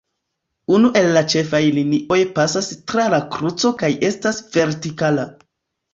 Unu el la ĉefaj linioj pasas tra la kruco kaj estas vertikala.